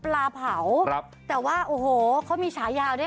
รูปร่างกำยำ